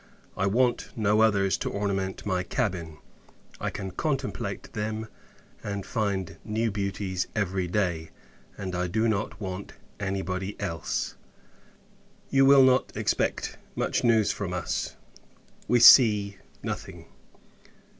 I want no others to ornament my cabin. I can contemplate them, and find new beauties every day, and I do not want any body else. You will not expect much news from us. We see nothing.